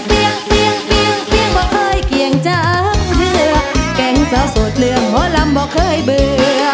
พอเคยเกลี่ยงจานเฮือแกล้งเสาสูดเลื่องหมอลำพอเคยเบื่อ